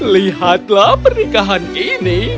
lihatlah pernikahan ini